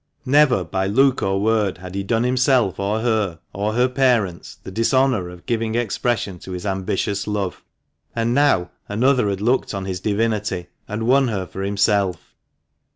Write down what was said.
. Never by look or word had he done himself, or her, or her parents, the dishonour of giving expression to his ambitious love ; and now another had looked on his divinity, and won he for himself.